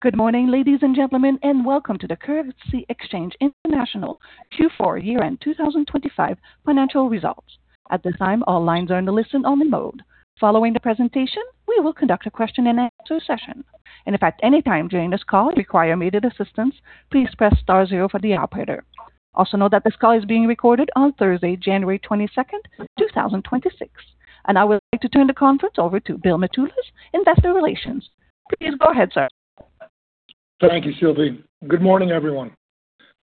Good morning, ladies and gentlemen, and welcome to the Currency Exchange International Q4 year-end 2025 financial results. At this time, all lines are in the listen-only mode. Following the presentation, we will conduct a question-and-answer session. If at any time during this call you require immediate assistance, please press star zero for the operator. Also note that this call is being recorded on Thursday, January 22nd, 2026. I would like to turn the conference over to Bill Mitoulas, Investor Relations. Please go ahead, sir. Thank you, Sylvie. Good morning, everyone.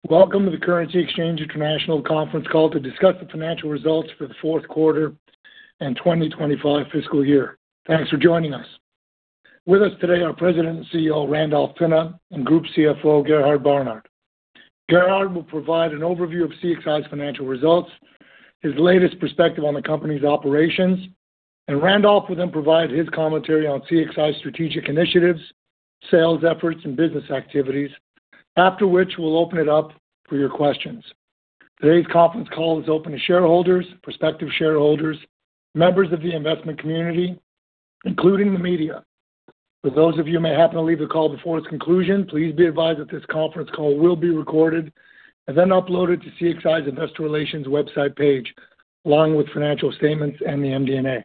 Welcome to the Currency Exchange International conference call to discuss the financial results for the fourth quarter and 2025 fiscal year. Thanks for joining us. With us today are President and CEO Randolph Pinna and Group CFO Gerhard Barnard. Gerhard will provide an overview of CXI's financial results, his latest perspective on the company's operations, and Randolph will then provide his commentary on CXI's strategic initiatives, sales efforts, and business activities, after which we'll open it up for your questions. Today's conference call is open to shareholders, prospective shareholders, members of the investment community, including the media. For those of you who may happen to leave the call before its conclusion, please be advised that this conference call will be recorded and then uploaded to CXI's Investor Relations website page, along with financial statements and the MD&A.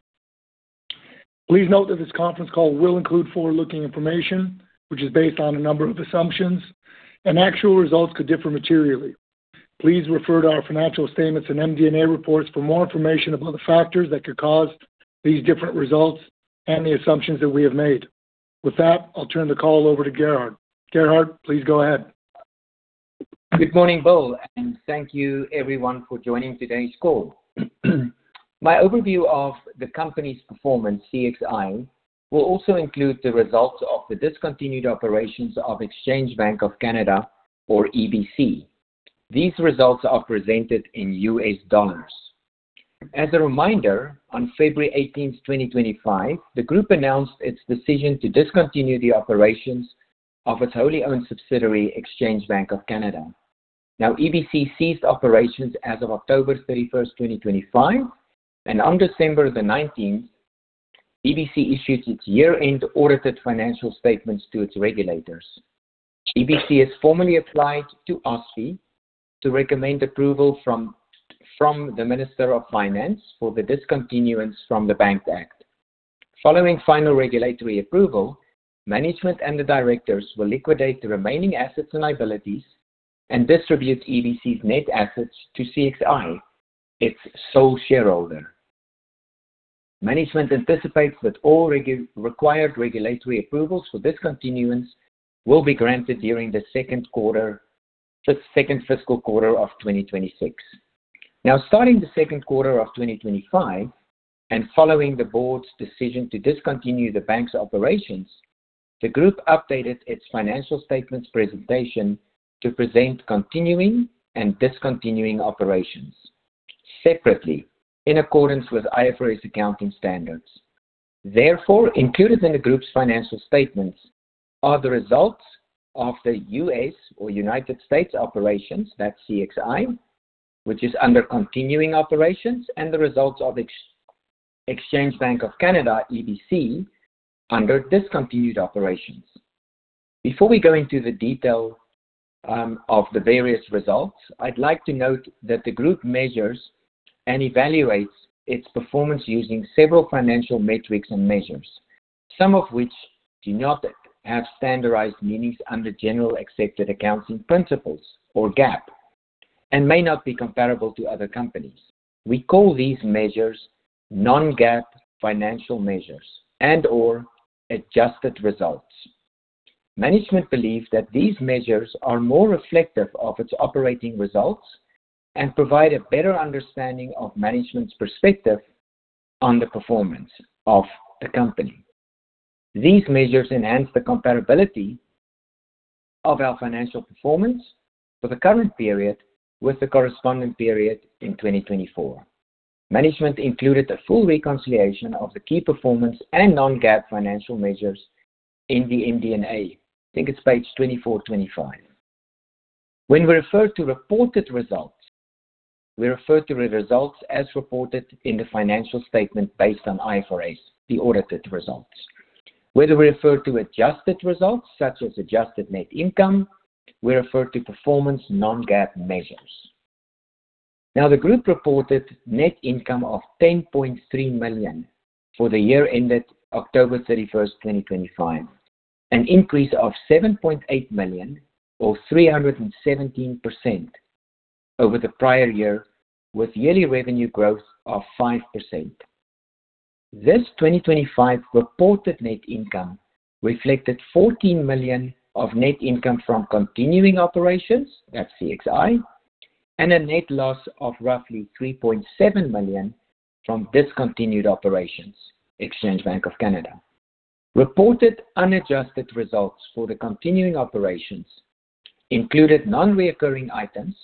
Please note that this conference call will include forward-looking information, which is based on a number of assumptions, and actual results could differ materially. Please refer to our financial statements and MD&A reports for more information about the factors that could cause these different results and the assumptions that we have made. With that, I'll turn the call over to Gerhard. Gerhard, please go ahead. Good morning, Bill, and thank you, everyone, for joining today's call. My overview of the company's performance, CXI, will also include the results of the discontinued operations of Exchange Bank of Canada, or EBC. These results are presented in U.S. dollars. As a reminder, on February 18th, 2025, the Group announced its decision to discontinue the operations of its wholly owned subsidiary, Exchange Bank of Canada. Now, EBC ceased operations as of October 31st, 2025, and on December the 19th, EBC issued its year-end audited financial statements to its regulators. EBC has formally applied to OSFI to recommend approval from the Minister of Finance for the discontinuance from the Bank Act. Following final regulatory approval, management and the directors will liquidate the remaining assets and liabilities and distribute EBC's net assets to CXI, its sole shareholder. Management anticipates that all required regulatory approvals for discontinuance will be granted during the second quarter, the second fiscal quarter of 2026. Now, starting the second quarter of 2025 and following the Board's decision to discontinue the bank's operations, the Group updated its financial statements presentation to present continuing and discontinuing operations separately, in accordance with IFRS accounting standards. Therefore, included in the Group's financial statements are the results of the U.S., or United States, operations, that's CXI, which is under continuing operations, and the results of Exchange Bank of Canada, EBC, under discontinued operations. Before we go into the detail of the various results, I'd like to note that the Group measures and evaluates its performance using several financial metrics and measures, some of which do not have standardized meanings under generally accepted accounting principles, or GAAP, and may not be comparable to other companies. We call these measures non-GAAP financial measures and or adjusted results. Management believes that these measures are more reflective of its operating results and provide a better understanding of management's perspective on the performance of the company. These measures enhance the comparability of our financial performance for the current period with the corresponding period in 2024. Management included a full reconciliation of the key performance and non-GAAP financial measures in the MD&A. I think it's pages 24-25. When we refer to reported results, we refer to the results as reported in the financial statement based on IFRS, the audited results. Whether we refer to adjusted results, such as adjusted net income, we refer to performance non-GAAP measures. Now, the Group reported net income of $10.3 million for the year ended October 31st, 2025, an increase of $7.8 million, or 317%, over the prior year, with yearly revenue growth of 5%. This 2025 reported net income reflected $14 million of net income from continuing operations, that's CXI, and a net loss of roughly $3.7 million from discontinued operations, Exchange Bank of Canada. Reported unadjusted results for the continuing operations included non-recurring items,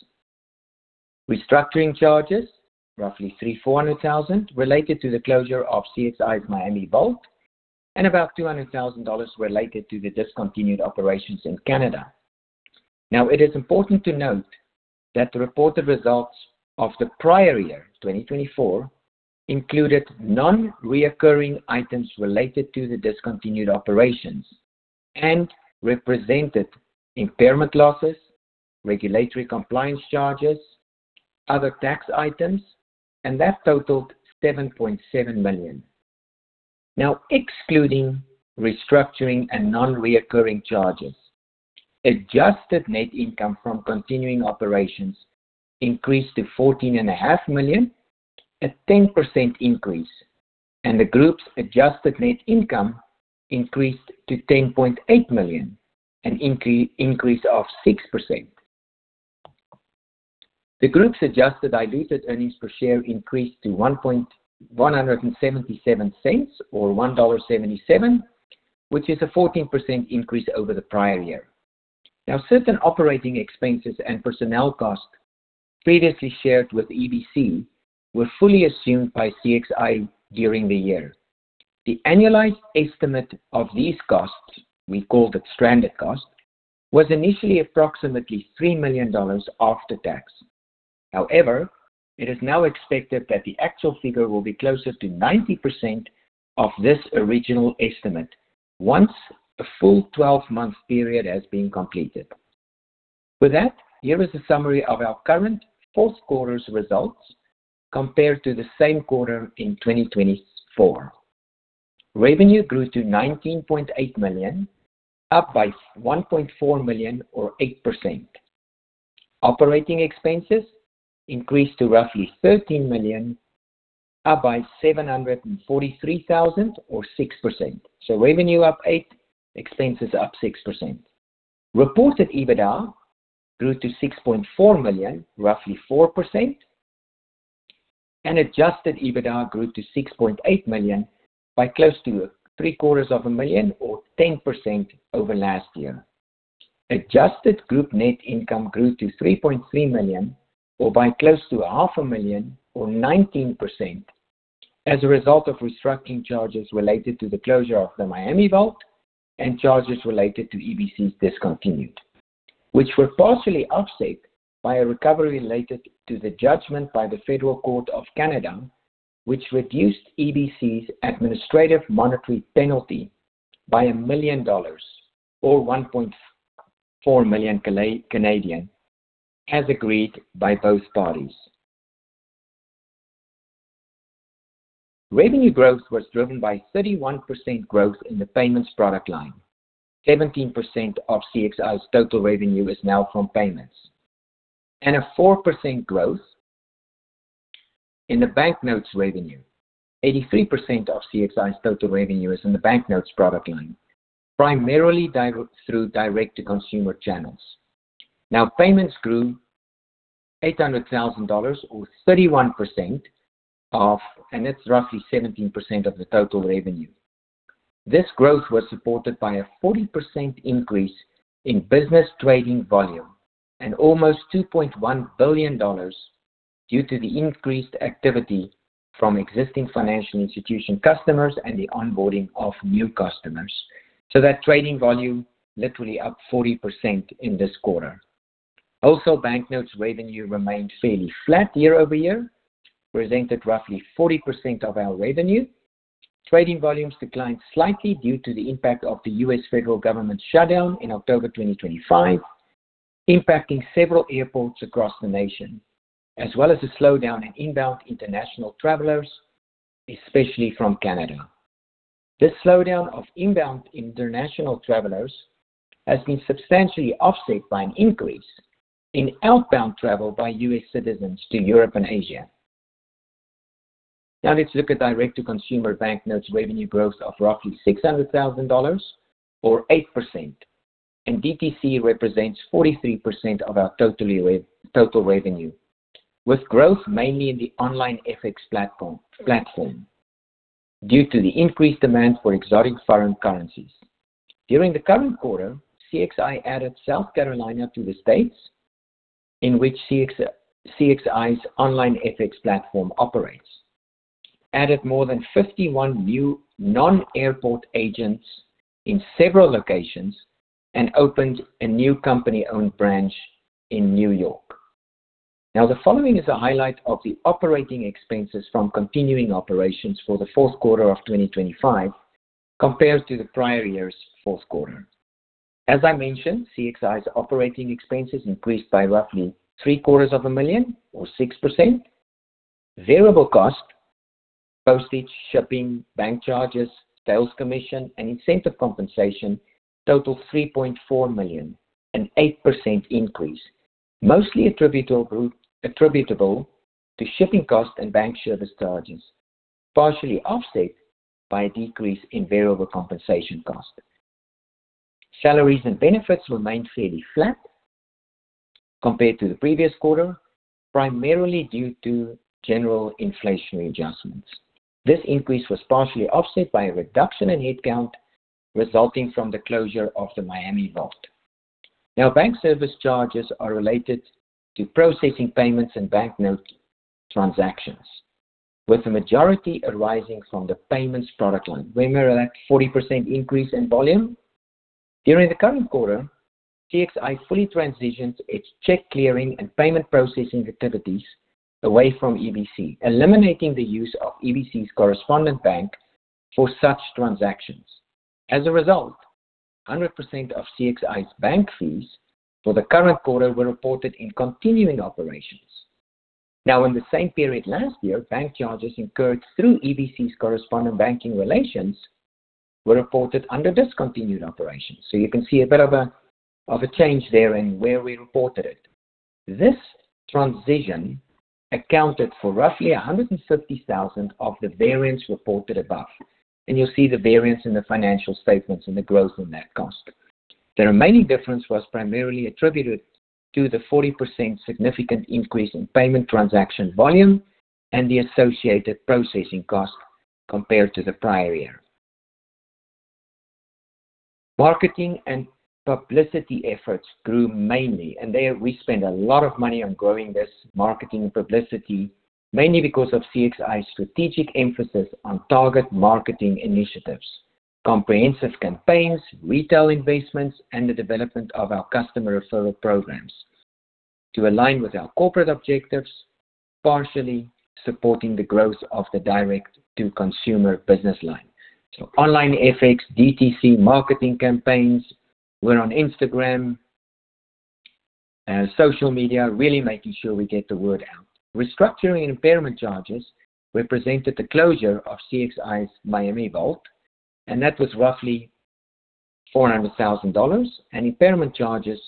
restructuring charges, roughly $340,000, related to the closure of CXI's Miami vault, and about $200,000 related to the discontinued operations in Canada. Now, it is important to note that the reported results of the prior year, 2024, included non-recurring items related to the discontinued operations and represented impairment losses, regulatory compliance charges, other tax items, and that totaled $7.7 million. Now, excluding restructuring and non-recurring charges, adjusted net income from continuing operations increased to $14.5 million, a 10% increase, and the Group's adjusted net income increased to $10.8 million, an increase of 6%. The Group's adjusted diluted earnings per share increased to 177 cents, or $1.77, which is a 14% increase over the prior year. Now, certain operating expenses and personnel costs previously shared with EBC were fully assumed by CXI during the year. The annualized estimate of these costs, we called it stranded cost, was initially approximately $3 million after tax. However, it is now expected that the actual figure will be closer to 90% of this original estimate once a full 12-month period has been completed. With that, here is a summary of our current fourth quarter's results compared to the same quarter in 2024. Revenue grew to $19.8 million, up by $1.4 million, or 8%. Operating expenses increased to roughly $13 million, up by $743,000, or 6%, so revenue up 8%, expenses up 6%. Reported EBITDA grew to $6.4 million, roughly 4%, and Adjusted EBITDA grew to $6.8 million by close to $750,000, or 10% over last year. Adjusted Group net income grew to $3.3 million, or by close to $500,000, or 19%, as a result of restructuring charges related to the closure of the Miami vault and charges related to EBC's discontinuance, which were partially offset by a recovery related to the judgment by the Federal Court of Canada, which reduced EBC's administrative monetary penalty by $1 million, or 1.4 million, as agreed by both parties. Revenue growth was driven by 31% growth in the payments product line. 17% of CXI's total revenue is now from payments, and a 4% growth in the banknotes revenue. 83% of CXI's total revenue is in the banknotes product line, primarily through direct-to-consumer channels. Now, payments grew $800,000, or 31% of, and it's roughly 17% of the total revenue. This growth was supported by a 40% increase in business trading volume and almost $2.1 billion due to the increased activity from existing financial institution customers and the onboarding of new customers. So that trading volume literally up 40% in this quarter. Also, banknotes revenue remained fairly flat year-over-year, presented roughly 40% of our revenue. Trading volumes declined slightly due to the impact of the U.S. federal government shutdown in October 2025, impacting several airports across the nation, as well as a slowdown in inbound international travelers, especially from Canada. This slowdown of inbound international travelers has been substantially offset by an increase in outbound travel by U.S. citizens to Europe and Asia. Now, let's look at direct-to-consumer banknotes revenue growth of roughly $600,000, or 8%, and DTC represents 43% of our total revenue, with growth mainly in the OnlineFX platform due to the increased demand for exotic foreign currencies. During the current quarter, CXI added South Carolina to the states in which CXI's OnlineFX platform operates, added more than 51 new non-airport agents in several locations, and opened a new company-owned branch in New York. Now, the following is a highlight of the operating expenses from continuing operations for the fourth quarter of 2025 compared to the prior year's fourth quarter. As I mentioned, CXI's operating expenses increased by roughly $750,000, or 6%. Variable costs, postage shipping, bank charges, sales commission, and incentive compensation totaled $3.4 million, an 8% increase, mostly attributable to shipping costs and bank service charges, partially offset by a decrease in variable compensation costs. Salaries and benefits remained fairly flat compared to the previous quarter, primarily due to general inflationary adjustments. This increase was partially offset by a reduction in headcount resulting from the closure of the Miami vault. Now, bank service charges are related to processing payments and banknote transactions, with the majority arising from the payments product line, where we're at a 40% increase in volume. During the current quarter, CXI fully transitioned its check clearing and payment processing activities away from EBC, eliminating the use of EBC's correspondent bank for such transactions. As a result, 100% of CXI's bank fees for the current quarter were reported in continuing operations. Now, in the same period last year, bank charges incurred through EBC's correspondent banking relations were reported under discontinued operations. So you can see a bit of a change there in where we reported it. This transition accounted for roughly $150,000 of the variance reported above, and you'll see the variance in the financial statements and the growth in that cost. The remaining difference was primarily attributed to the 40% significant increase in payment transaction volume and the associated processing cost compared to the prior year. Marketing and publicity efforts grew mainly, and there we spent a lot of money on growing this marketing and publicity, mainly because of CXI's strategic emphasis on target marketing initiatives, comprehensive campaigns, retail investments, and the development of our customer referral programs to align with our corporate objectives, partially supporting the growth of the direct-to-consumer business line. OnlineFX, DTC, marketing campaigns, we're on Instagram, social media, really making sure we get the word out. Restructuring and impairment charges represented the closure of CXI's Miami vault, and that was roughly $400,000, and impairment charges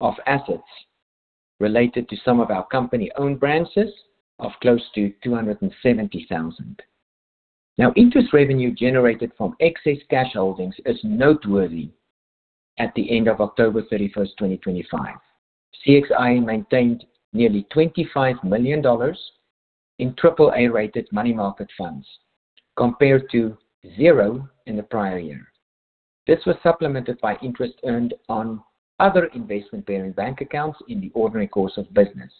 of assets related to some of our company-owned branches of close to $270,000. Now, interest revenue generated from excess cash holdings is noteworthy at the end of October 31st, 2025. CXI maintained nearly $25 million in AAA-rated money market funds compared to zero in the prior year. This was supplemented by interest earned on other investment-bearing bank accounts in the ordinary course of business.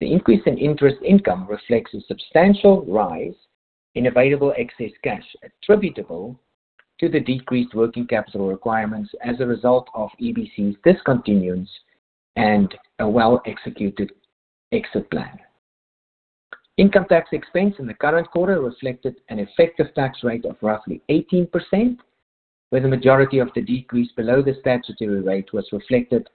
The increase in interest income reflects a substantial rise in available excess cash attributable to the decreased working capital requirements as a result of EBC's discontinuance and a well-executed exit plan. Income tax expense in the current quarter reflected an effective tax rate of roughly 18%, where the majority of the decrease below the statutory rate was reflected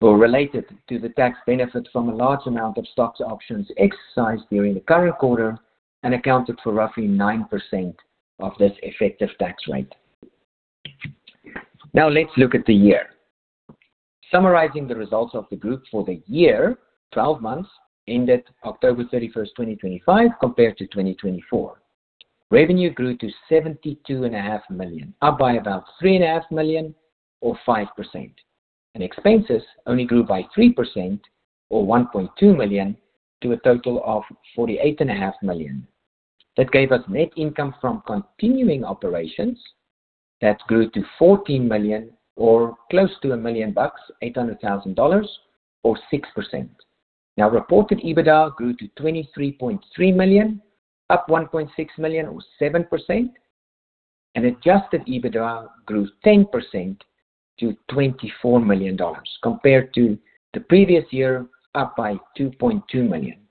or related to the tax benefit from a large amount of stock options exercised during the current quarter and accounted for roughly 9% of this effective tax rate. Now, let's look at the year. Summarizing the results of the Group for the year, 12 months ended October 31st, 2025, compared to 2024. Revenue grew to $72.5 million, up by about $3.5 million, or 5%. And expenses only grew by 3%, or $1.2 million, to a total of $48.5 million. That gave us net income from continuing operations that grew to $14 million, or close to a million bucks, $800,000, or 6%. Now, reported EBITDA grew to $23.3 million, up $1.6 million, or 7%, and Adjusted EBITDA grew 10% to $24 million, compared to the previous year, up by $2.2 million.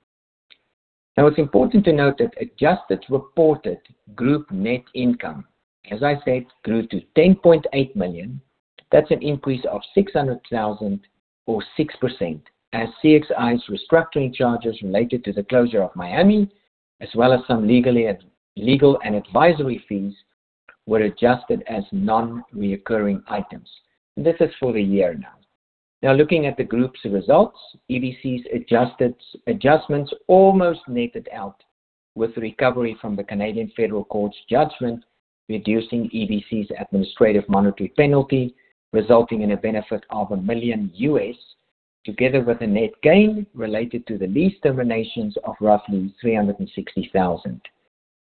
Now, it's important to note that adjusted reported Group net income, as I said, grew to $10.8 million. That's an increase of $600,000, or 6%, as CXI's restructuring charges related to the closure of Miami, as well as some legal and advisory fees, were adjusted as non-recurring items. This is for the year now. Now, looking at the Group's results, EBC's adjustments almost netted out with recovery from the Federal Court of Canada's judgment, reducing EBC's administrative monetary penalty, resulting in a benefit of $1 million, together with a net gain related to the lease terminations of roughly $360,000.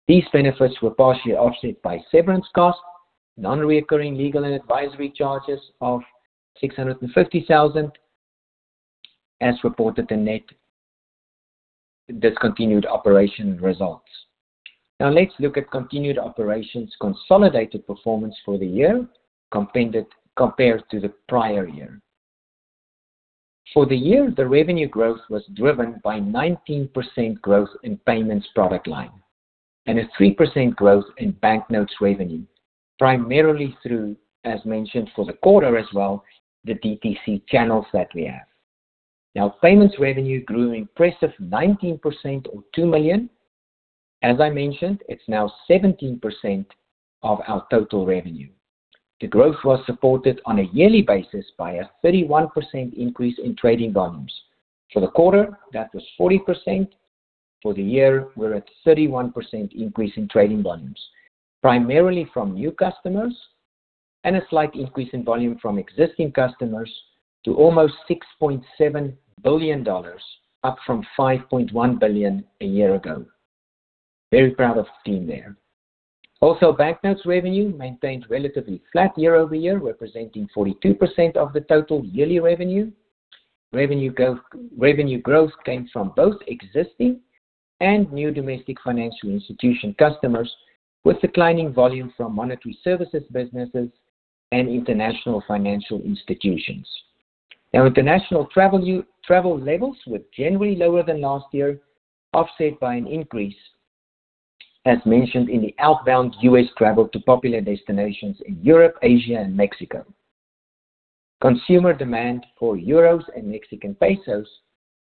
These benefits were partially offset by severance costs, non-recurring legal and advisory charges of $650,000, as reported in net discontinued operation results. Now, let's look at continued operations consolidated performance for the year, compared to the prior year. For the year, the revenue growth was driven by 19% growth in payments product line and a 3% growth in banknotes revenue, primarily through, as mentioned for the quarter as well, the DTC channels that we have. Now, payments revenue grew an impressive 19%, or $2 million. As I mentioned, it's now 17% of our total revenue. The growth was supported on a yearly basis by a 31% increase in trading volumes. For the quarter, that was 40%. For the year, we're at a 31% increase in trading volumes, primarily from new customers, and a slight increase in volume from existing customers to almost $6.7 billion, up from $5.1 billion a year ago. Very proud of the team there. Also, banknotes revenue maintained relatively flat year-over-year, representing 42% of the total yearly revenue. Revenue growth came from both existing and new domestic financial institution customers, with declining volume from monetary services businesses and international financial institutions. Now, international travel levels were generally lower than last year, offset by an increase, as mentioned in the outbound U.S. travel to popular destinations in Europe, Asia, and Mexico. Consumer demand for euros and Mexican pesos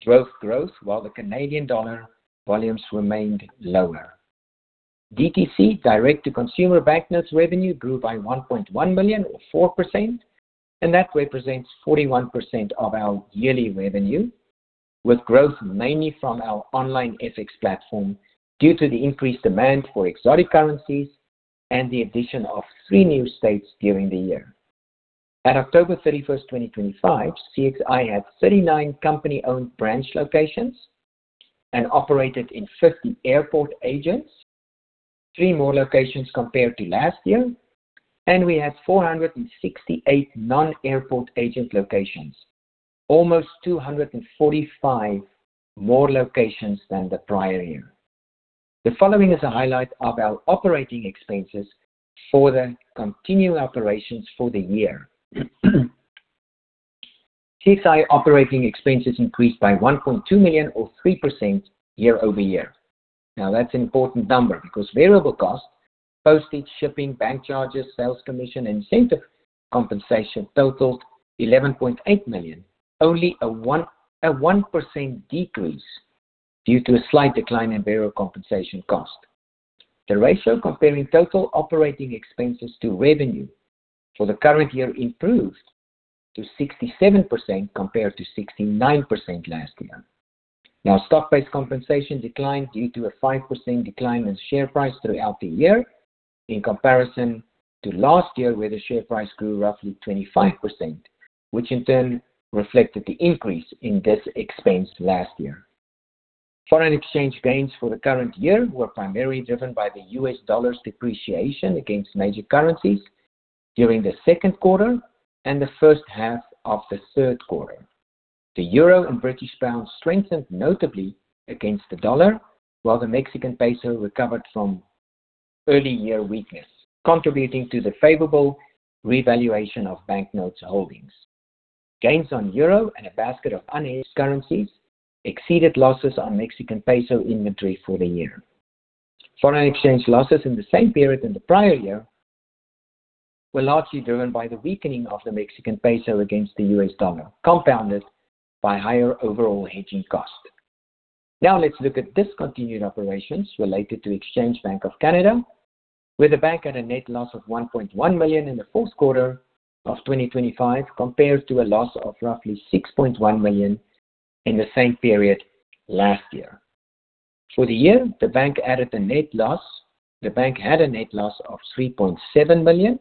drove growth, while the Canadian dollar volumes remained lower. DTC direct-to-consumer banknotes revenue grew by $1.1 million, or 4%, and that represents 41% of our yearly revenue, with growth mainly from our OnlineFX platform due to the increased demand for exotic currencies and the addition of three new states during the year. At October 31st, 2025, CXI had 39 company-owned branch locations and operated in 50 airport agents, three more locations compared to last year, and we had 468 non-airport agent locations, almost 245 more locations than the prior year. The following is a highlight of our operating expenses for the continuing operations for the year. CXI operating expenses increased by $1.2 million, or 3% year-over-year. Now, that's an important number because variable costs, postage shipping, bank charges, sales commission, and incentive compensation totaled $11.8 million, only a 1% decrease due to a slight decline in variable compensation cost. The ratio comparing total operating expenses to revenue for the current year improved to 67% compared to 69% last year. Now, stock-based compensation declined due to a 5% decline in share price throughout the year in comparison to last year, where the share price grew roughly 25%, which in turn reflected the increase in this expense last year. Foreign exchange gains for the current year were primarily driven by the U.S. dollar's depreciation against major currencies during the second quarter and the first half of the third quarter. The euro and British pound strengthened notably against the dollar, while the Mexican peso recovered from early year weakness, contributing to the favorable revaluation of banknotes holdings. Gains on euro and a basket of unhedged currencies exceeded losses on Mexican peso inventory for the year. Foreign exchange losses in the same period in the prior year were largely driven by the weakening of the Mexican peso against the U.S. dollar, compounded by higher overall hedging cost. Now, let's look at discontinued operations related to Exchange Bank of Canada, where the bank had a net loss of $1.1 million in the fourth quarter of 2025 compared to a loss of roughly $6.1 million in the same period last year. For the year, the bank added a net loss. The bank had a net loss of $3.7 million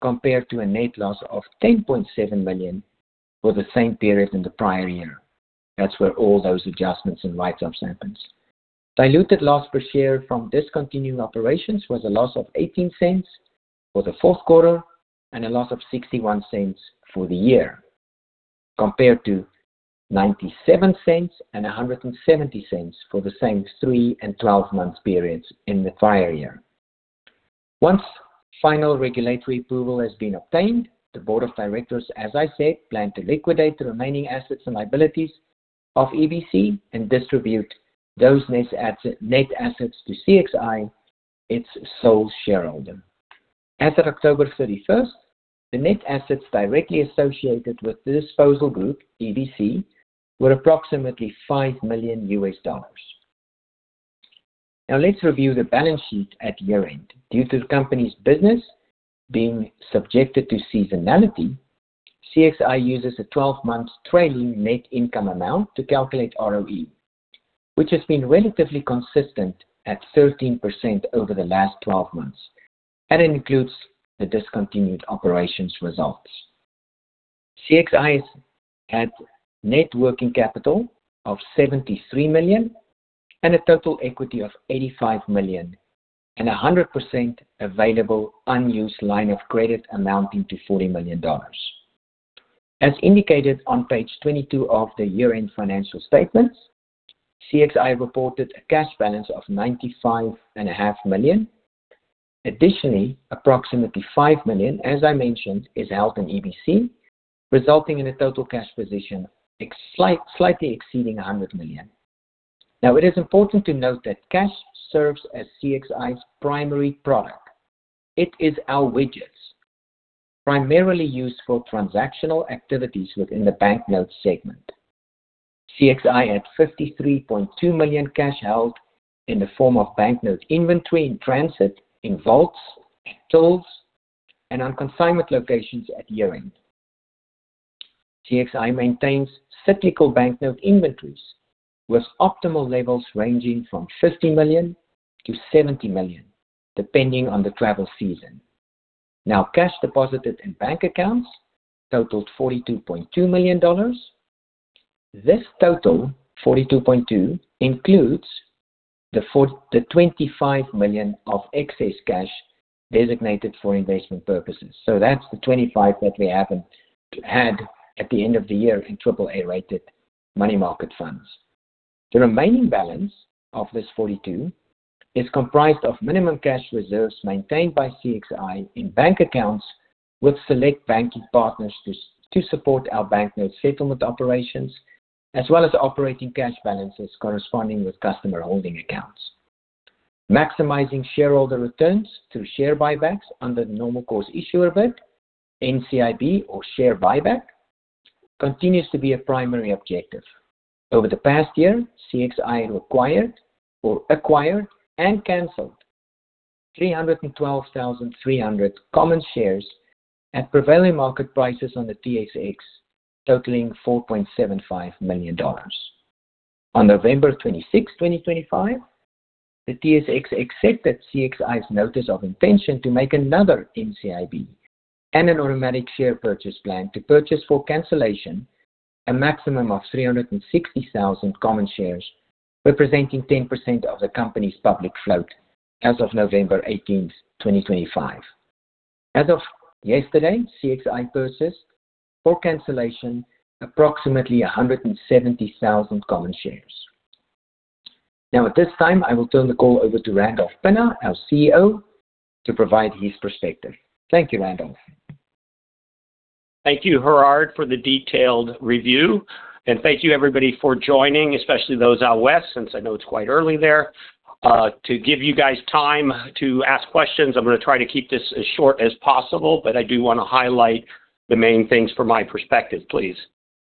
compared to a net loss of $10.7 million for the same period in the prior year. That's where all those adjustments and write-ups happen. Diluted loss per share from discontinued operations was a loss of $0.18 for the fourth quarter and a loss of $0.61 for the year, compared to $0.97 and $1.70 for the same three and 12 months periods in the prior year. Once final regulatory approval has been obtained, the Board of Directors, as I said, plan to liquidate the remaining assets and liabilities of EBC and distribute those net assets to CXI, its sole shareholder. As of October 31st, the net assets directly associated with the disposal group, EBC, were approximately $5 million. Now, let's review the balance sheet at year-end. Due to the company's business being subjected to seasonality, CXI uses a 12-month trailing net income amount to calculate ROE, which has been relatively consistent at 13% over the last 12 months, and it includes the discontinued operations results. CXI has had net working capital of $73 million and a total equity of $85 million and 100% available unused line of credit amounting to $40 million. As indicated on page 22 of the year-end financial statements, CXI reported a cash balance of $95.5 million. Additionally, approximately $5 million, as I mentioned, is held in EBC, resulting in a total cash position slightly exceeding $100 million. Now, it is important to note that cash serves as CXI's primary product. It is our widgets, primarily used for transactional activities within the banknotes segment. CXI had $53.2 million cash held in the form of banknotes inventory in transit, in vaults, at tills, and on consignment locations at year-end. CXI maintains cyclical banknote inventories with optimal levels ranging from $50 million-$70 million, depending on the travel season. Now, cash deposited in bank accounts totaled $42.2 million. This total, $42.2 million, includes the $25 million of excess cash designated for investment purposes. So that's the $25 million that we had at the end of the year in AAA-rated money market funds. The remaining balance of this $42 million is comprised of minimum cash reserves maintained by CXI in bank accounts with select banking partners to support our banknotes settlement operations, as well as operating cash balances corresponding with customer holding accounts. Maximizing shareholder returns through share buybacks under the Normal Course Issuer Bid, NCIB, or share buyback, continues to be a primary objective. Over the past year, CXI acquired and canceled 312,300 common shares at prevailing market prices on the TSX, totaling $4.75 million. On November 26, 2025, the TSX accepted CXI's notice of intention to make another NCIB and an automatic share purchase plan to purchase for cancellation a maximum of 360,000 common shares, representing 10% of the company's public float as of November 18, 2025. As of yesterday, CXI purchased for cancellation approximately 170,000 common shares. Now, at this time, I will turn the call over to Randolph Pinna, our CEO, to provide his perspective. Thank you. Randolph? Thank you, Gerhard, for the detailed review. And thank you, everybody, for joining, especially those out west, since I know it's quite early there, to give you guys time to ask questions. I'm going to try to keep this as short as possible, but I do want to highlight the main things from my perspective, please.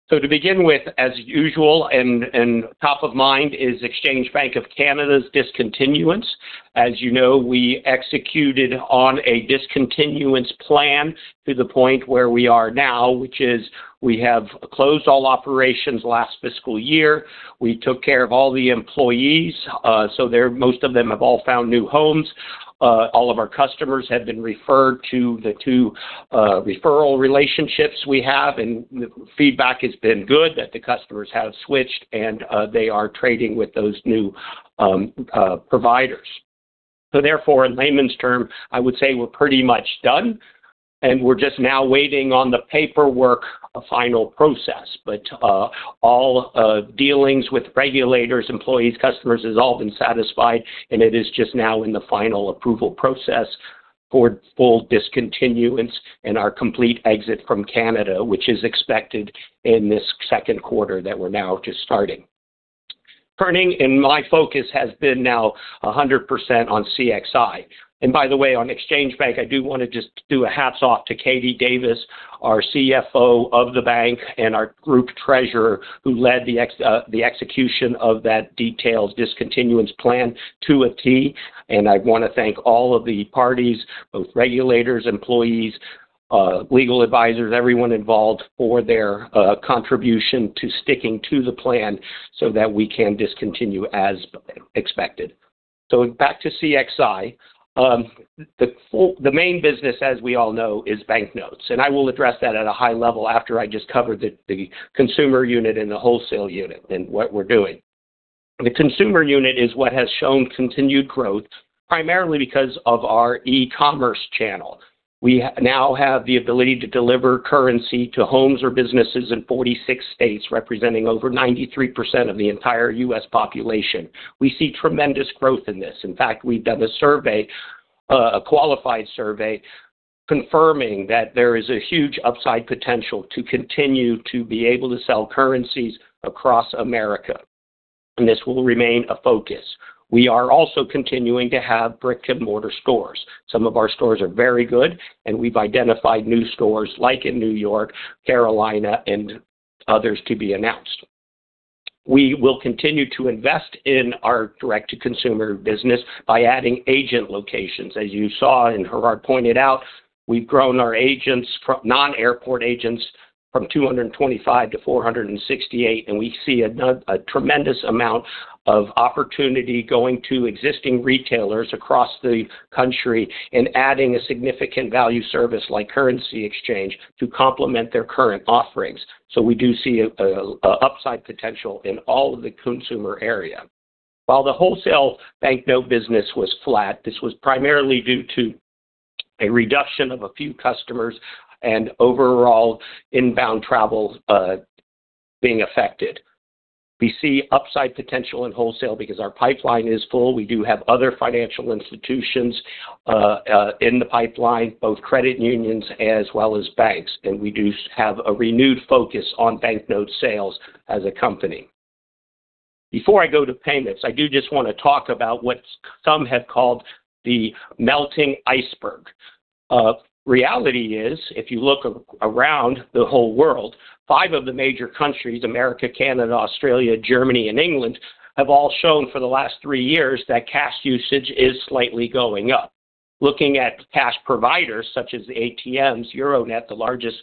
So to begin with, as usual, and top of mind is Exchange Bank of Canada's discontinuance. As you know, we executed on a discontinuance plan to the point where we are now, which is we have closed all operations last fiscal year. We took care of all the employees, so most of them have all found new homes. All of our customers have been referred to the two referral relationships we have, and the feedback has been good that the customers have switched and they are trading with those new providers. So therefore, in layman's term, I would say we're pretty much done, and we're just now waiting on the paperwork final process. But all dealings with regulators, employees, customers have all been satisfied, and it is just now in the final approval process for full discontinuance and our complete exit from Canada, which is expected in this second quarter that we're now just starting. Turning, and my focus has been now 100% on CXI. And by the way, on Exchange Bank, I do want to just do a hats off to Katie Davis, our CFO of the bank, and our group treasurer, who led the execution of that detailed discontinuance plan to a T. And I want to thank all of the parties, both regulators, employees, legal advisors, everyone involved for their contribution to sticking to the plan so that we can discontinue as expected. So back to CXI. The main business, as we all know, is banknotes. And I will address that at a high level after I just covered the consumer unit and the wholesale unit and what we're doing. The consumer unit is what has shown continued growth, primarily because of our e-commerce channel. We now have the ability to deliver currency to homes or businesses in 46 states, representing over 93% of the entire U.S. population. We see tremendous growth in this. In fact, we've done a survey, a qualified survey, confirming that there is a huge upside potential to continue to be able to sell currencies across America, and this will remain a focus. We are also continuing to have brick-and-mortar stores. Some of our stores are very good, and we've identified new stores like in New York, Carolina, and others to be announced. We will continue to invest in our direct-to-consumer business by adding agent locations. As you saw and Gerhard pointed out, we've grown our non-airport agents from 225 to 468, and we see a tremendous amount of opportunity going to existing retailers across the country and adding a significant value service like currency exchange to complement their current offerings, so we do see an upside potential in all of the consumer area. While the wholesale banknote business was flat, this was primarily due to a reduction of a few customers and overall inbound travel being affected. We see upside potential in wholesale because our pipeline is full. We do have other financial institutions in the pipeline, both credit unions as well as banks, and we do have a renewed focus on banknote sales as a company. Before I go to payments, I do just want to talk about what some have called the melting iceberg. Reality is, if you look around the whole world, five of the major countries, America, Canada, Australia, Germany, and England, have all shown for the last three years that cash usage is slightly going up. Looking at cash providers such as ATMs, Euronet, the largest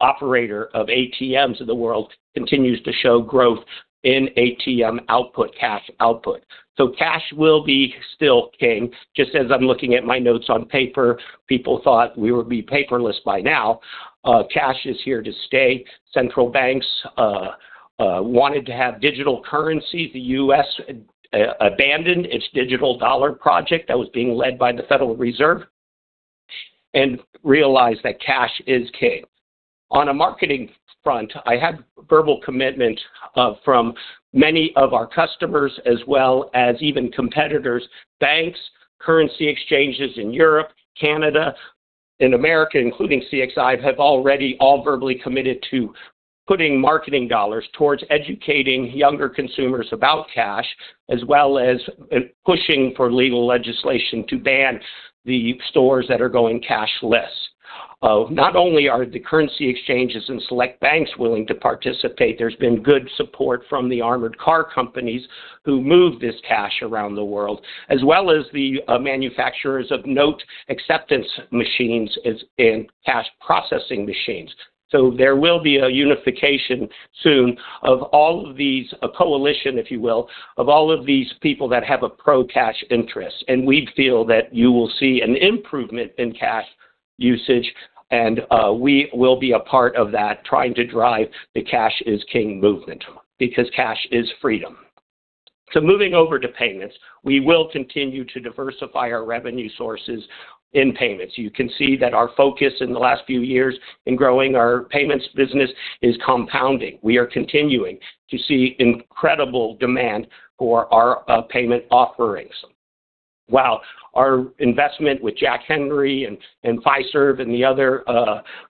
operator of ATMs in the world, continues to show growth in ATM output, cash output. Cash will be still king, just as I'm looking at my notes on paper. People thought we would be paperless by now. Cash is here to stay. Central banks wanted to have digital currency. The U.S. abandoned its digital dollar project that was being led by the Federal Reserve and realized that cash is king. On a marketing front, I had verbal commitment from many of our customers as well as even competitors. Banks, currency exchanges in Europe, Canada, and America, including CXI, have already all verbally committed to putting marketing dollars towards educating younger consumers about cash, as well as pushing for legal legislation to ban the stores that are going cashless. Not only are the currency exchanges and select banks willing to participate, there's been good support from the armored car companies who move this cash around the world, as well as the manufacturers of note acceptance machines and cash processing machines. So there will be a unification soon of all of these coalition, if you will, of all of these people that have a pro-cash interest, and we feel that you will see an improvement in cash usage, and we will be a part of that, trying to drive the cash is king movement because cash is freedom, so moving over to payments, we will continue to diversify our revenue sources in payments. You can see that our focus in the last few years in growing our payments business is compounding. We are continuing to see incredible demand for our payment offerings. While our investment with Jack Henry and Fiserv and the other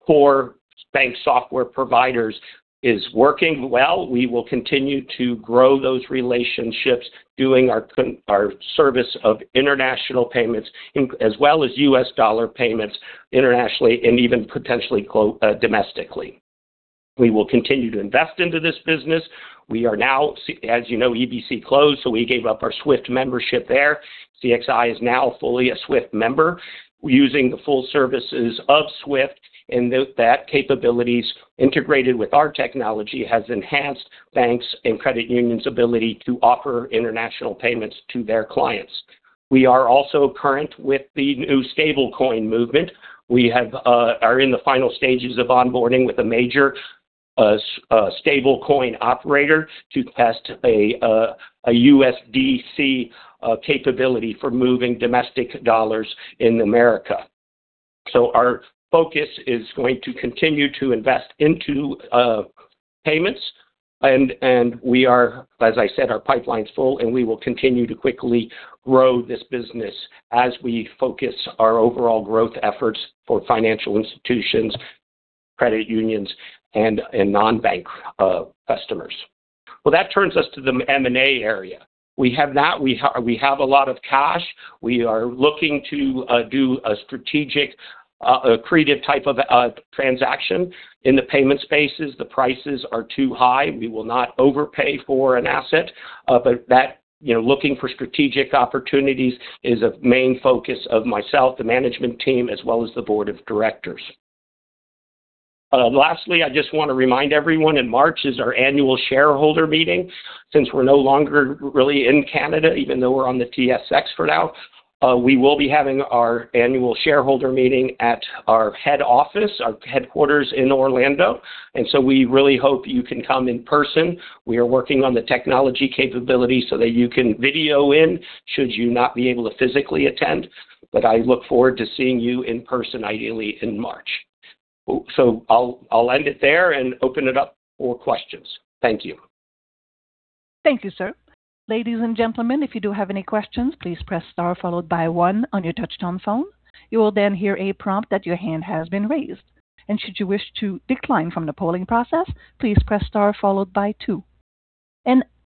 core bank software providers is working well, we will continue to grow those relationships doing our service of international payments, as well as U.S. dollar payments internationally and even potentially domestically. We will continue to invest into this business. We are now, as you know, EBC closed, so we gave up our SWIFT membership there. CXI is now fully a SWIFT member, using the full services of SWIFT, and that capabilities integrated with our technology has enhanced banks and credit unions' ability to offer international payments to their clients. We are also current with the new stablecoin movement. We are in the final stages of onboarding with a major stablecoin operator to test a USDC capability for moving domestic dollars in America. Our focus is going to continue to invest into payments, and we are, as I said, our pipeline's full, and we will continue to quickly grow this business as we focus our overall growth efforts for financial institutions, credit unions, and non-bank customers. Well, that turns us to the M&A area. We have a lot of cash. We are looking to do a strategic, creative type of transaction in the payment spaces. The prices are too high. We will not overpay for an asset, but looking for strategic opportunities is a main focus of myself, the management team, as well as the board of directors. Lastly, I just want to remind everyone in March is our annual shareholder meeting. Since we're no longer really in Canada, even though we're on the TSX for now, we will be having our annual shareholder meeting at our head office, our headquarters in Orlando. And so we really hope you can come in person. We are working on the technology capability so that you can video in should you not be able to physically attend, but I look forward to seeing you in person, ideally in March. So I'll end it there and open it up for questions. Thank you. Thank you, sir. Ladies and gentlemen, if you do have any questions, please press star followed by one on your touchtone phone. You will then hear a prompt that your hand has been raised. And should you wish to decline from the polling process, please press star followed by two.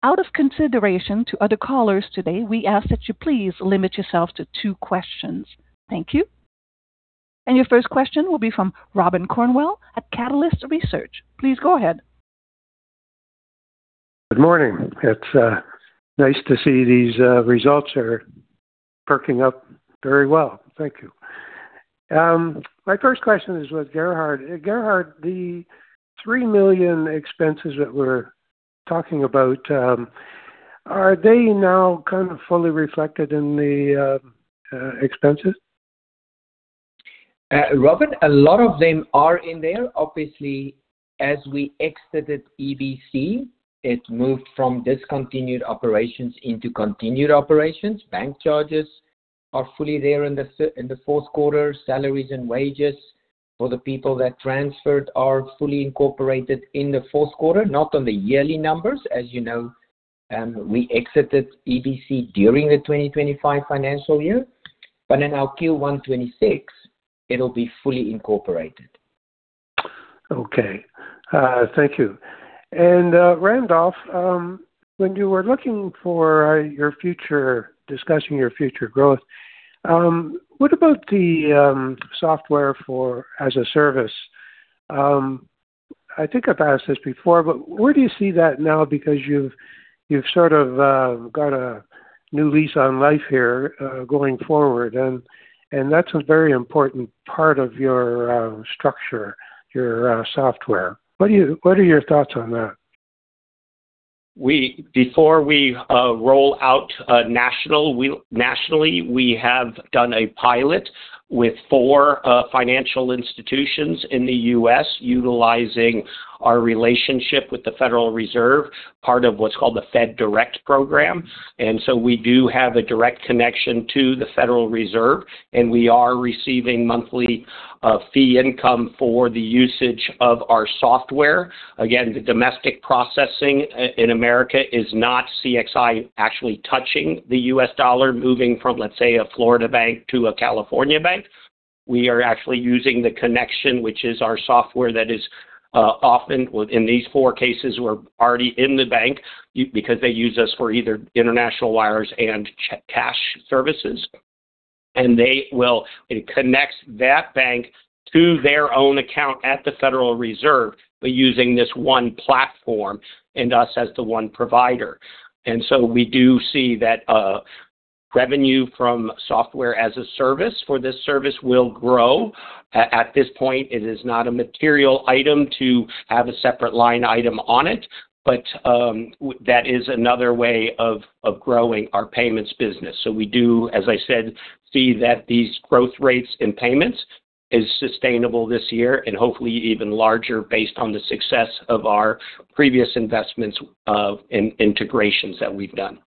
Out of consideration to other callers today, we ask that you please limit yourself to two questions. Thank you. And your first question will be from Robin Cornwell at Catalyst Research. Please go ahead. Good morning. It's nice to see these results are perking up very well. Thank you. My first question is with Gerhard. Gerhard, the $3 million expenses that we're talking about, are they now kind of fully reflected in the expenses? Robin, a lot of them are in there. Obviously, as we exited EBC, it moved from discontinued operations into continued operations. Bank charges are fully there in the fourth quarter. Salaries and wages for the people that transferred are fully incorporated in the fourth quarter, not on the yearly numbers. As you know, we exited EBC during the 2025 financial year, but in our Q1 2026, it'll be fully incorporated. Okay. Thank you. Randolph, when you were looking for your future, discussing your future growth, what about the software as a service? I think I've asked this before, but where do you see that now because you've sort of got a new lease on life here going forward, and that's a very important part of your structure, your software. What are your thoughts on that? Before we roll out nationally, we have done a pilot with four financial institutions in the U.S. utilizing our relationship with the Federal Reserve, part of what's called the Fed Direct program. And so we do have a direct connection to the Federal Reserve, and we are receiving monthly fee income for the usage of our software. Again, the domestic processing in America is not CXI actually touching the U.S. dollar moving from, let's say, a Florida bank to a California bank. We are actually using the connection, which is our software that is often, in these four cases, we're already in the bank because they use us for either international wires and cash services. And they will connect that bank to their own account at the Federal Reserve by using this one platform and us as the one provider. And so we do see that revenue from software as a service for this service will grow. At this point, it is not a material item to have a separate line item on it, but that is another way of growing our payments business. So we do, as I said, see that these growth rates in payments are sustainable this year and hopefully even larger based on the success of our previous investments and integrations that we've done.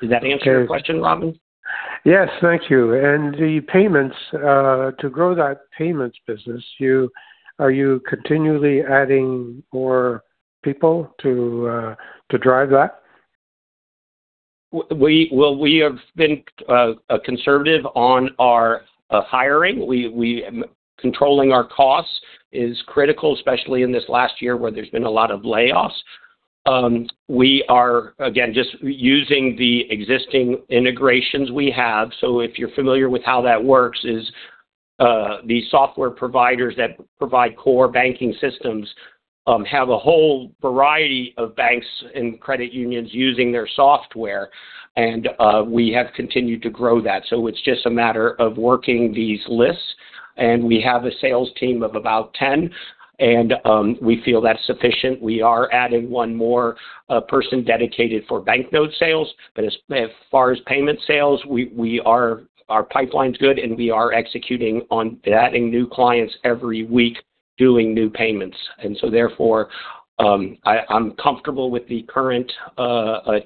Does that answer your question, Robin? Yes. Thank you. The payments, to grow that payments business, are you continually adding more people to drive that? We have been conservative on our hiring. Controlling our costs is critical, especially in this last year where there's been a lot of layoffs. We are, again, just using the existing integrations we have. If you're familiar with how that works, the software providers that provide core banking systems have a whole variety of banks and credit unions using their software, and we have continued to grow that. It's just a matter of working these lists, and we have a sales team of about 10, and we feel that's sufficient. We are adding one more person dedicated for banknote sales, but as far as payment sales, our pipeline's good, and we are executing on adding new clients every week, doing new payments. And so therefore, I'm comfortable with the current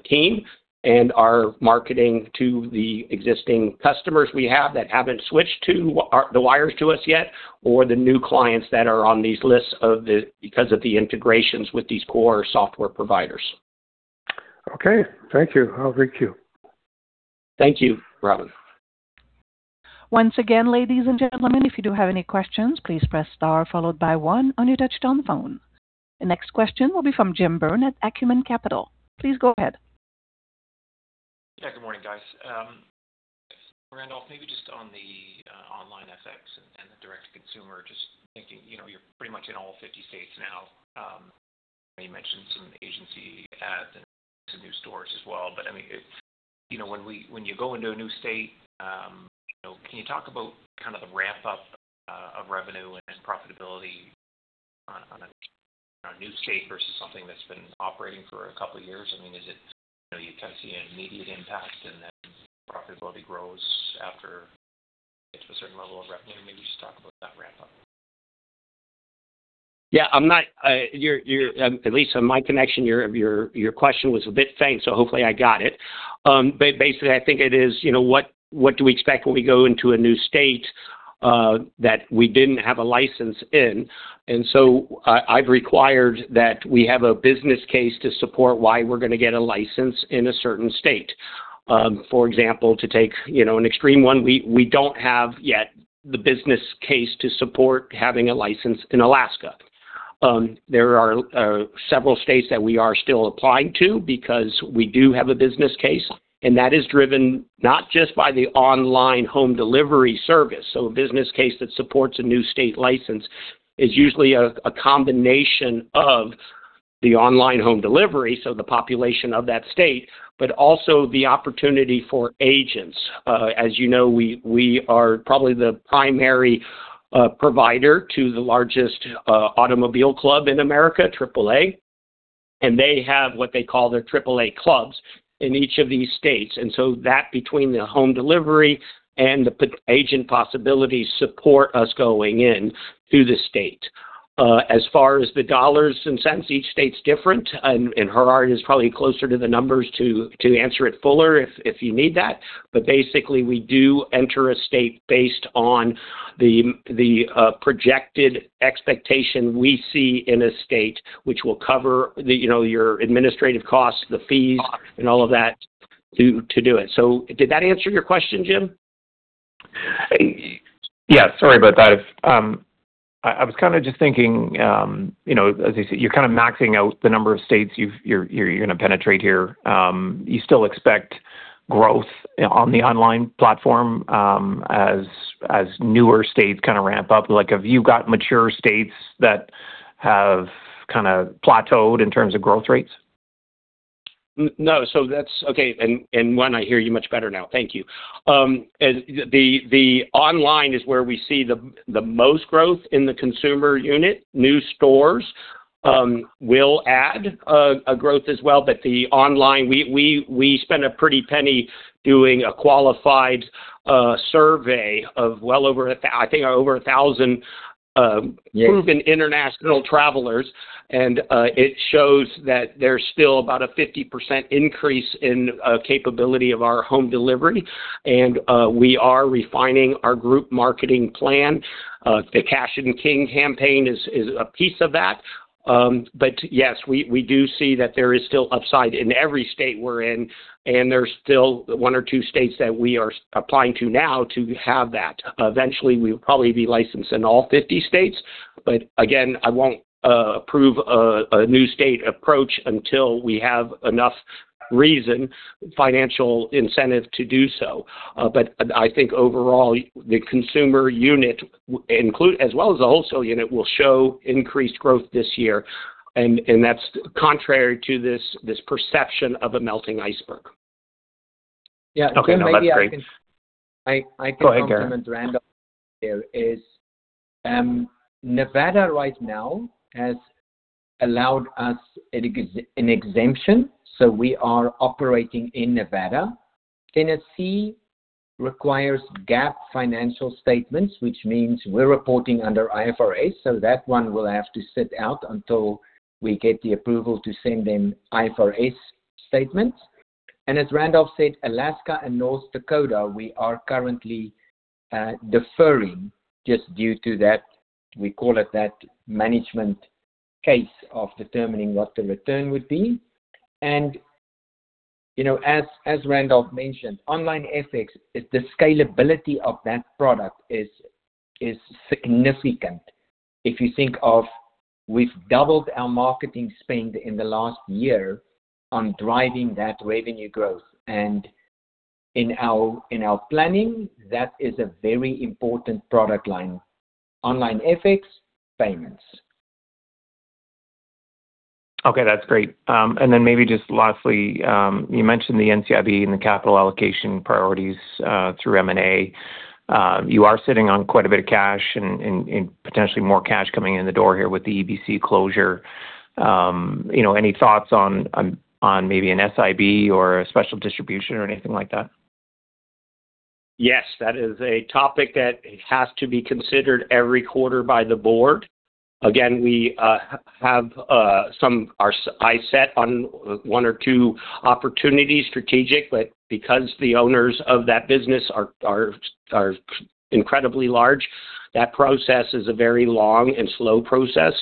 team and our marketing to the existing customers we have that haven't switched the wires to us yet or the new clients that are on these lists because of the integrations with these core software providers. Okay. Thank you. I'll reach you. Thank you, Robin. Once again, ladies and gentlemen, if you do have any questions, please press star followed by one on your touchtone phone. The next question will be from Jim Byrne at Acumen Capital. Please go ahead. Yeah. Good morning, guys. Randolph, maybe just on the OnlineFX and the direct-to-consumer, just thinking you're pretty much in all 50 states now. You mentioned some agency ads and some new stores as well. But I mean, when you go into a new state, can you talk about kind of the ramp-up of revenue and profitability on a new state versus something that's been operating for a couple of years? I mean, you kind of see an immediate impact, and then profitability grows after it gets to a certain level of revenue. Maybe just talk about that ramp-up. Yeah. At least on my connection, your question was a bit faint, so hopefully I got it. But basically, I think it is what do we expect when we go into a new state that we didn't have a license in? And so I've required that we have a business case to support why we're going to get a license in a certain state. For example, to take an extreme one, we don't have yet the business case to support having a license in Alaska. There are several states that we are still applying to because we do have a business case, and that is driven not just by the online home delivery service, so a business case that supports a new state license is usually a combination of the online home delivery, so the population of that state, but also the opportunity for agents. As you know, we are probably the primary provider to the largest automobile club in America, AAA, and they have what they call their AAA clubs in each of these states, and so that between the home delivery and the agent possibilities support us going into the state. As far as the dollars and cents, each state is different, and Gerhard is probably closer to the numbers to answer it fuller if you need that. But basically, we do enter a state based on the projected expectation we see in a state, which will cover your administrative costs, the fees, and all of that to do it. So did that answer your question, Jim? Yeah. Sorry about that. I was kind of just thinking, as you said, you're kind of maxing out the number of states you're going to penetrate here. You still expect growth on the online platform as newer states kind of ramp up. Have you got mature states that have kind of plateaued in terms of growth rates? No. So that's okay. And one, I hear you much better now. Thank you. The online is where we see the most growth in the consumer unit. New stores will add growth as well, but the online, we spent a pretty penny doing a qualified survey of, I think, over 1,000 proven international travelers, and it shows that there's still about a 50% increase in capability of our home delivery, and we are refining our group marketing plan. The Cash is King campaign is a piece of that, but yes, we do see that there is still upside in every state we're in, and there's still one or two states that we are applying to now to have that. Eventually, we'll probably be licensed in all 50 states, but again, I won't approve a new state approach until we have enough reason, financial incentive to do so, but I think overall, the consumer unit, as well as the wholesale unit, will show increased growth this year, and that's contrary to this perception of a melting iceberg. Yeah. Okay. No, that's great. I think what comment Randolph made there is Nevada right now has allowed us an exemption, so we are operating in Nevada. Tennessee requires GAAP financial statements, which means we're reporting under IFRS, so that one will have to sit out until we get the approval to send in IFRS statements. And as Randolph said, Alaska and North Dakota, we are currently deferring just due to that, we call it that management case of determining what the return would be. And as Randolph mentioned, OnlineFX, the scalability of that product is significant. If you think of, we've doubled our marketing spend in the last year on driving that revenue growth. And in our planning, that is a very important product line, OnlineFX payments. Okay. That's great. And then maybe just lastly, you mentioned the NCIB and the capital allocation priorities through M&A. You are sitting on quite a bit of cash and potentially more cash coming in the door here with the EBC closure. Any thoughts on maybe an SIB or a special distribution or anything like that? Yes. That is a topic that has to be considered every quarter by the Board. Again, we have some eyes set on one or two opportunities, strategic, but because the owners of that business are incredibly large, that process is a very long and slow process.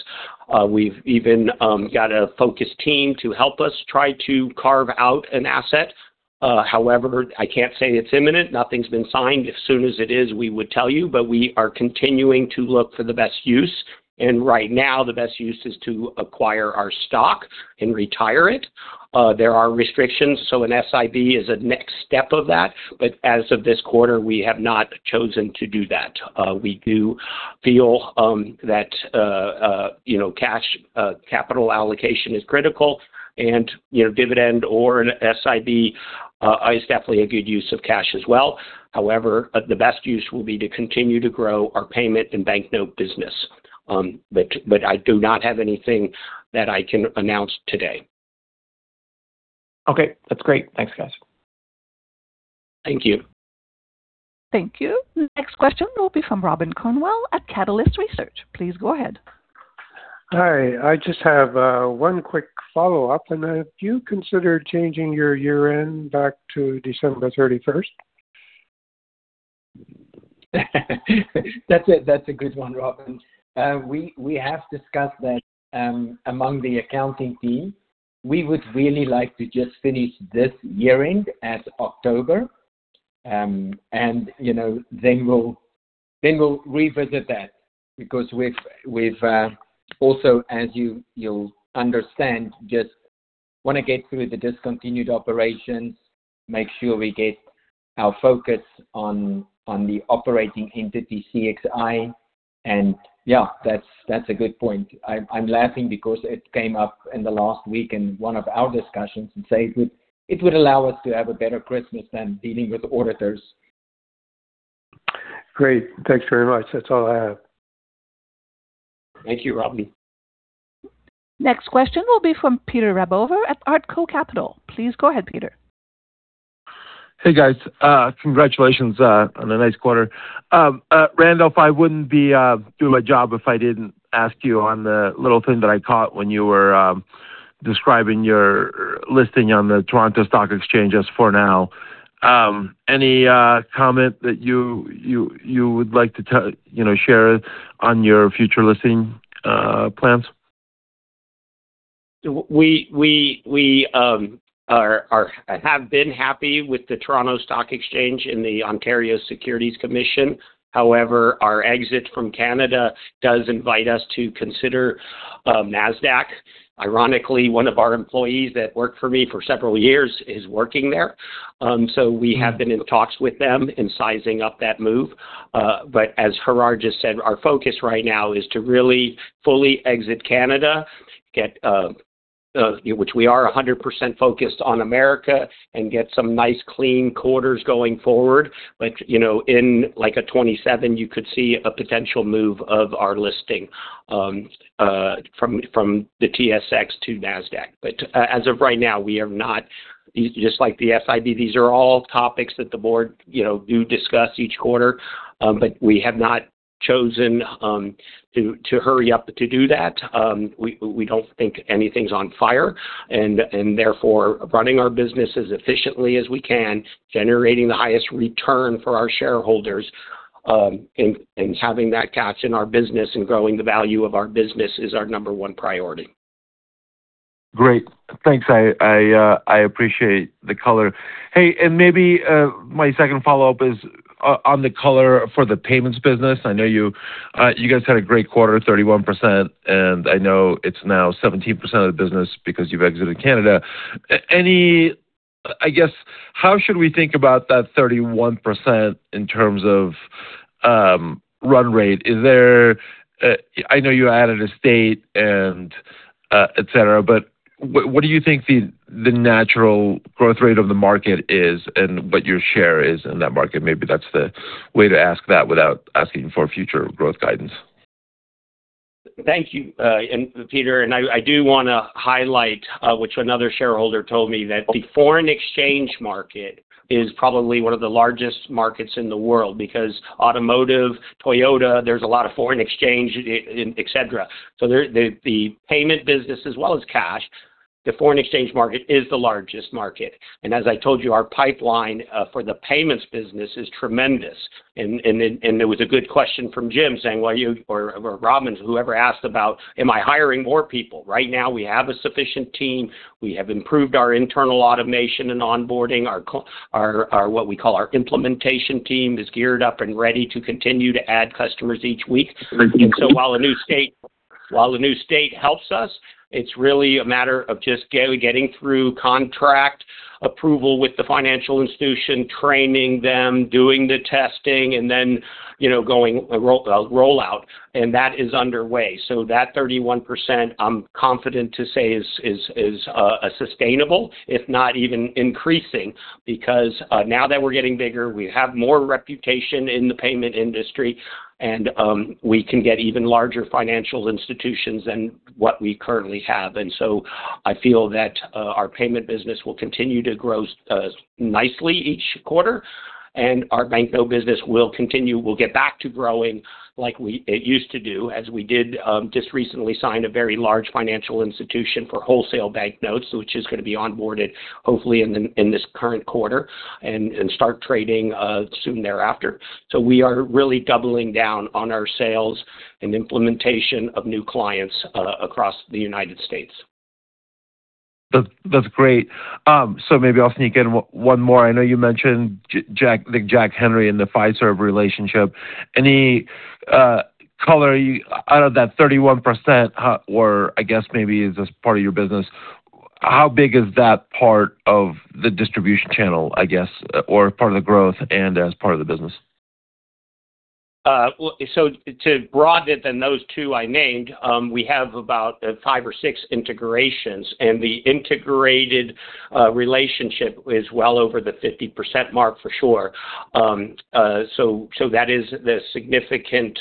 We've even got a focus team to help us try to carve out an asset. However, I can't say it's imminent. Nothing's been signed. As soon as it is, we would tell you, but we are continuing to look for the best use, and right now, the best use is to acquire our stock and retire it. There are restrictions, so an SIB is a next step of that, but as of this quarter, we have not chosen to do that. We do feel that cash capital allocation is critical, and dividend or an SIB is definitely a good use of cash as well. However, the best use will be to continue to grow our payment and banknote business. But I do not have anything that I can announce today. Okay. That's great. Thanks, guys. Thank you. Thank you. Next question will be from Robin Cornwell at Catalyst Research. Please go ahead. Hi. I just have one quick follow-up. And have you considered changing your year-end back to December 31st? That's a good one, Robin. We have discussed that among the accounting team, we would really like to just finish this year-end at October, and then we'll revisit that because we've also, as you'll understand, just want to get through the discontinued operations, make sure we get our focus on the operating entity CXI. And yeah, that's a good point. I'm laughing because it came up in the last week in one of our discussions and said it would allow us to have a better Christmas than dealing with auditors. Great. Thanks very much. That's all I have. Thank you, Robin. Next question will be from Peter Rabover at Artko Capital. Please go ahead, Peter. Hey, guys. Congratulations on the next quarter. Randolph, I wouldn't be doing my job if I didn't ask you on the little thing that I caught when you were describing your listing on the Toronto Stock Exchange as for now. Any comment that you would like to share on your future listing plans? We have been happy with the Toronto Stock Exchange and the Ontario Securities Commission. However, our exit from Canada does invite us to consider Nasdaq. Ironically, one of our employees that worked for me for several years is working there. So we have been in talks with them and sizing up that move. But as Gerhard just said, our focus right now is to really fully exit Canada, which we are 100% focused on America, and get some nice clean quarters going forward. But in like a 2027, you could see a potential move of our listing from the TSX to Nasdaq. But as of right now, we are not just like the SIB. These are all topics that the Board do discuss each quarter, but we have not chosen to hurry up to do that. We don't think anything's on fire, and therefore, running our business as efficiently as we can, generating the highest return for our shareholders, and having that cash in our business and growing the value of our business is our number one priority. Great. Thanks. I appreciate the color. Hey, and maybe my second follow-up is on the color for the payments business. I know you guys had a great quarter, 31%, and I know it's now 17% of the business because you've exited Canada. I guess, how should we think about that 31% in terms of run rate? I know you added a state and etc., but what do you think the natural growth rate of the market is and what your share is in that market? Maybe that's the way to ask that without asking for future growth guidance. Thank you. Peter, I do want to highlight which another shareholder told me that the foreign exchange market is probably one of the largest markets in the world because automotive, Toyota, there's a lot of foreign exchange, etc. The payment business, as well as cash, the foreign exchange market is the largest market. As I told you, our pipeline for the payments business is tremendous. There was a good question from Jim saying, well, Robin, whoever asked about, am I hiring more people? Right now, we have a sufficient team. We have improved our internal automation and onboarding. What we call our implementation team is geared up and ready to continue to add customers each week. While a new state helps us, it's really a matter of just getting through contract approval with the financial institution, training them, doing the testing, and then going rollout. That is underway. So that 31%, I'm confident to say is sustainable, if not even increasing, because now that we're getting bigger, we have more reputation in the payment industry, and we can get even larger financial institutions than what we currently have. And so I feel that our payment business will continue to grow nicely each quarter, and our banknote business will continue. We'll get back to growing like we used to do, as we did just recently sign a very large financial institution for wholesale banknotes, which is going to be onboarded, hopefully, in this current quarter and start trading soon thereafter. So we are really doubling down on our sales and implementation of new clients across the United States. That's great. So maybe I'll sneak in one more. I know you mentioned Jack Henry and the Fiserv relationship. Any color out of that 31%, or I guess maybe as part of your business, how big is that part of the distribution channel, I guess, or part of the growth and as part of the business? So to broaden it, then those two I named, we have about five or six integrations, and the integrated relationship is well over the 50% mark for sure. So that is the significant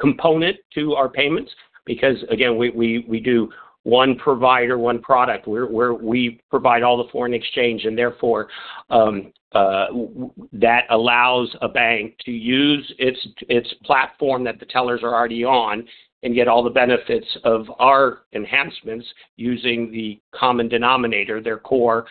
component to our payments because, again, we do one provider, one product. We provide all the foreign exchange, and therefore, that allows a bank to use its platform that the tellers are already on and get all the benefits of our enhancements using the common denominator, their core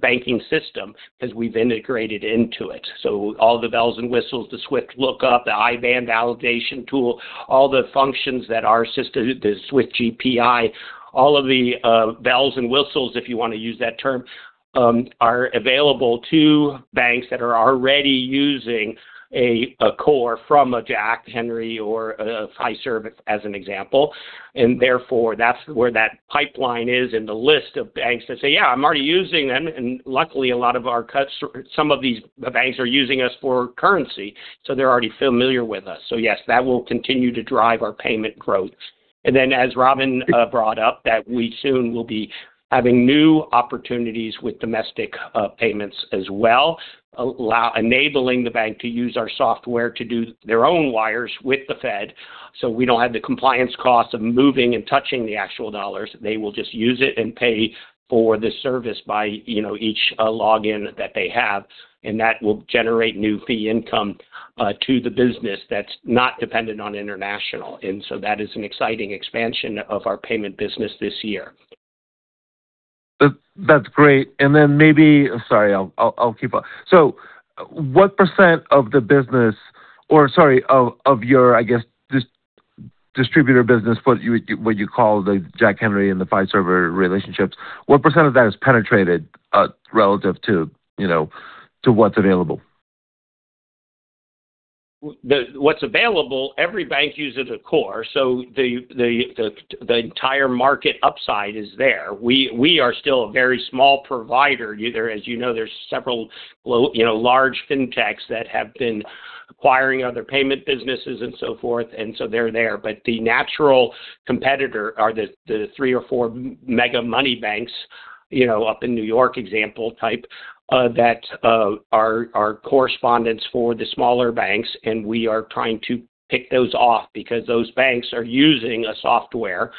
banking system, because we've integrated into it. All the bells and whistles, the SWIFT lookup, the IBAN validation tool, all the functions that our system, the SWIFT gpi, all of the bells and whistles, if you want to use that term, are available to banks that are already using a core from a Jack Henry or a Fiserv as an example. And therefore, that's where that pipeline is in the list of banks that say, "Yeah, I'm already using them." And luckily, a lot of our clients, some of these banks are using us for currency, so they're already familiar with us. So yes, that will continue to drive our payment growth. And then, as Robin brought up, that we soon will be having new opportunities with domestic payments as well, enabling the bank to use our software to do their own wires with the Fed. We don't have the compliance cost of moving and touching the actual dollars. They will just use it and pay for the service by each login that they have. And that will generate new fee income to the business that's not dependent on international. And so that is an exciting expansion of our payment business this year. That's great. And then maybe sorry, I'll keep up. So what percent of the business, or sorry, of your, I guess, distributor business, what you call the Jack Henry and the Fiserv relationships, what percent of that is penetrated relative to what's available? What's available? Every bank uses a core. So the entire market upside is there. We are still a very small provider. As you know, there's several large fintechs that have been acquiring other payment businesses and so forth, and so they're there. But the natural competitor are the three or four mega money banks up in New York, example type, that are correspondents for the smaller banks. And we are trying to pick those off because those banks are using a software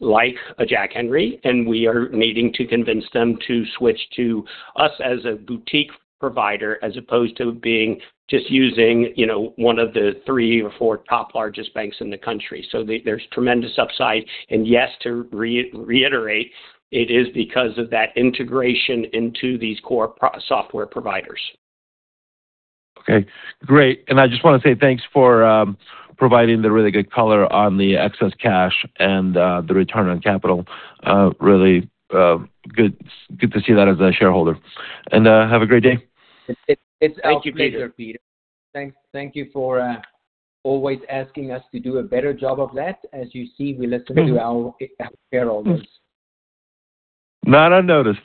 like a Jack Henry, and we are needing to convince them to switch to us as a boutique provider as opposed to being just using one of the three or four top largest banks in the country. So there's tremendous upside. And yes, to reiterate, it is because of that integration into these core software providers. Okay. Great. And I just want to say thanks for providing the really good color on the excess cash and the return on capital. Really good to see that as a shareholder. And have a great day. Thank you, Peter. Thank you for always asking us to do a better job of that. As you see, we listen to our shareholders. Not unnoticed.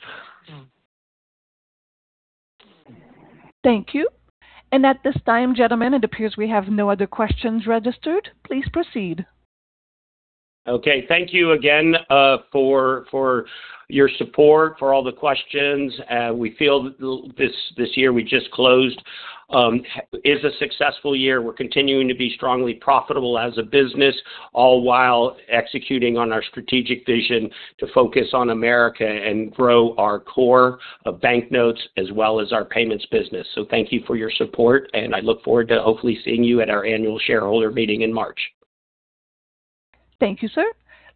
Thank you, and at this time, gentlemen, it appears we have no other questions registered. Please proceed. Okay. Thank you again for your support, for all the questions. We feel this year we just closed is a successful year. We're continuing to be strongly profitable as a business, all while executing on our strategic vision to focus on America and grow our core banknotes as well as our payments business. So thank you for your support, and I look forward to hopefully seeing you at our annual shareholder meeting in March. Thank you, sir.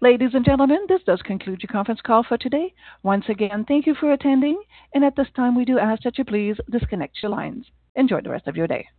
Ladies and gentlemen, this does conclude your conference call for today. Once again, thank you for attending, and at this time, we do ask that you please disconnect your lines. Enjoy the rest of your day.